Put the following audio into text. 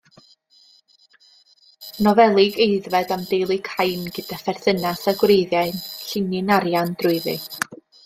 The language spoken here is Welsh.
Nofelig aeddfed am deulu Cain gyda pherthynas a gwreiddiau'n llinyn arian drwyddi.